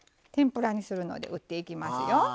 天ぷらにするので打っていきますよ。